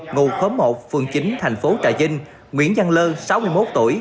ngụ khóm một phường chín thành phố trà vinh nguyễn văn lơ sáu mươi một tuổi